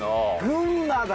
群馬だ！